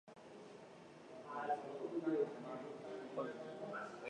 He depicted the landscape as being a harsh, barren and sterile wasteland.